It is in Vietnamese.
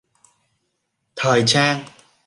Thời trang